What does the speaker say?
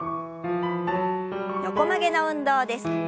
横曲げの運動です。